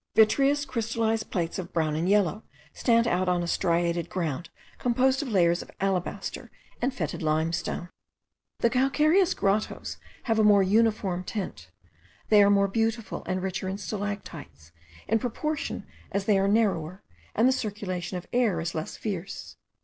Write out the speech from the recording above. Vitreous crystallized plates of brown and yellow stand out on a striated ground composed of layers of alabaster and fetid limestone. The calcareous grottoes have a more uniform tint. They are more beautiful, and richer in stalactites, in proportion as they are narrower, and the circulation of air is less free.